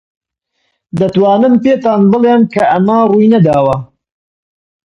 دەتوانم پێتان بڵێم کە ئەمە ڕووی نەداوە.